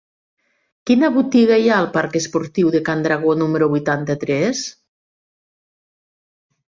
Quina botiga hi ha al parc Esportiu de Can Dragó número vuitanta-tres?